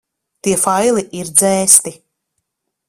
Tie faili ir dzēsti.